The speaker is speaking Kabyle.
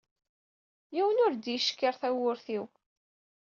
Yiwen ur d-yeckiṛ tamurt-iw.